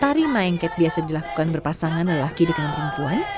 tari maengket biasa dilakukan berpasangan lelaki dengan perempuan